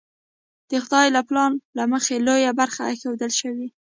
د خدای له پلان له مخې لویه برخه ایښودل شوې.